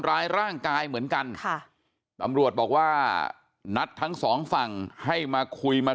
ร่างกายเหมือนกันค่ะตำรวจบอกว่านัดทั้งสองฝั่งให้มาคุยมา